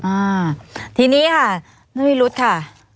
อ่าทีนี้น้วยฤษฐ์ค่ะ